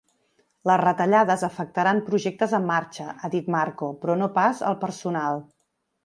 Les retallades afectaran projectes en marxa –ha dit Marco– però no pas el personal.